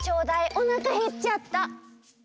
おなかへっちゃった。